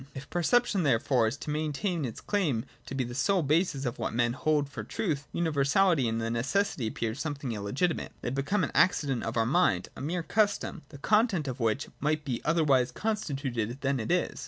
If perception, therefore, is to maintain its claim to be the sole basis of what men hold for truth, universality and necessity appear something illegitimate : they become an accident of our minds, a mere custom, the content of which might be otherwise constituted than it is.